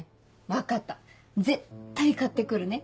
分かった絶対買って来るね。